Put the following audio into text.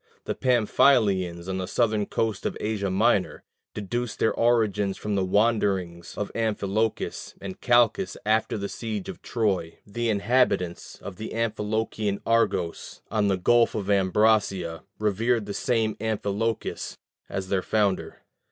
The Pamphylians, on the southern coast of Asia Minor, deduced their origin from the wanderings of Amphilochus and Calchas after the siege of Troy: the inhabitants of the Amphilochian Argos on the Gulf of Ambracia revered the same Amphilochus as their founder.